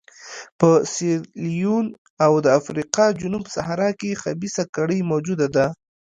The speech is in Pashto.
په سیریلیون او د افریقا جنوب صحرا کې خبیثه کړۍ موجوده ده.